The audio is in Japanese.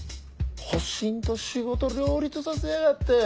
保身と仕事両立させやがって。